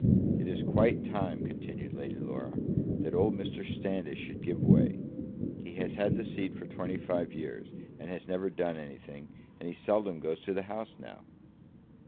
"It is quite time," continued Lady Laura, "that old Mr. Standish should give way. He has had the seat for twenty five years, and has never done anything, and he seldom goes to the House now."